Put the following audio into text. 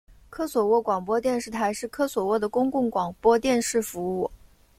科索沃广播电视台是科索沃的公共广播电视服务。